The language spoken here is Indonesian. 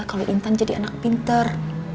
kalau intan jadi anak pinter